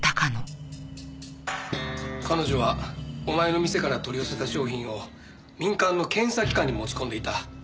彼女はお前の店から取り寄せた商品を民間の検査機関に持ち込んでいた。